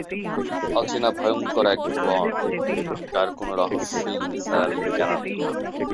অচেনা ভয়ঙ্কর এক ভুবন, যার কোনো রহস্যই নিসার আলির জানা নেই।